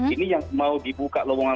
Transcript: ini yang mau dibuka lowongan